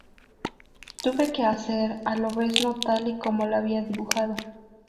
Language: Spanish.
Tuve que hacer a Lobezno tal y como lo había dibujado.